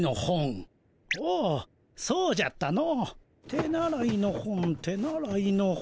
手習いの本手習いの本。